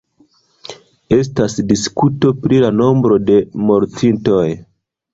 Estas diskuto pri la nombro de mortintoj.